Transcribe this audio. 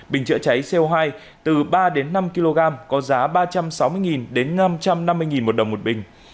bình chữa cháy co hai từ ba đến năm kg có giá ba trăm sáu mươi đến năm trăm năm mươi một đồng một bình